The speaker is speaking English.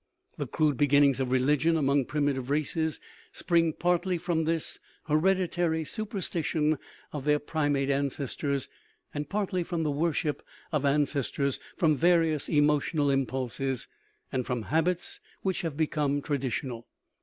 21 301 THE RIDDLE OF THE UNIVERSE The crude beginnings of religion among primitive races spring partly from this hereditary superstition of their primate ancestors, and partly from the worship of an cestors, from various emotional impulses, and from habits which have become traditional.